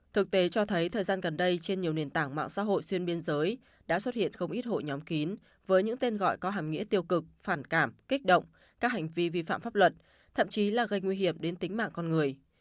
thực tế cho thấy thời gian gần đây trên nhiều nền tảng mạng xã hội xuyên biên giới đã xuất hiện không ít hội nhóm kín với những tên gọi có hàm nghĩa tiêu cực phản cảm kích động các hành vi vi phạm pháp luật thậm chí là gây nguy hiểm đến tính mạng con người